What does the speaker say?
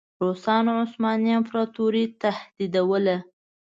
روسانو عثماني امپراطوري تهدیدوله.